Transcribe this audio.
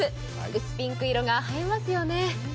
薄ピンク色が映えますよね。